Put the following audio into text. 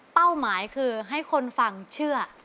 หมายคือให้คนฟังเชื่อ